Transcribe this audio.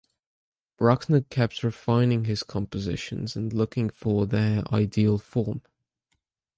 Bruckner kept refining his compositions and looking for their ideal form.